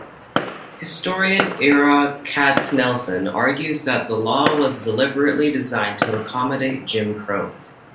Historian Ira Katznelson argues that "the law was deliberately designed to accommodate Jim Crow".